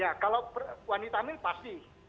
ya kalau wanita hamil pasti